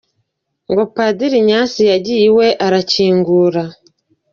Ngo Padiri Ignace yagiye iwe, arakingura.